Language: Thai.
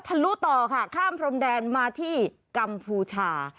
ลุต่อค่ะข้ามพรมแดนมาที่กัมพูชา